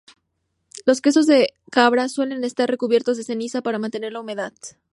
Los quesos de cabra suelen estar recubiertos de ceniza para mantener la humedad.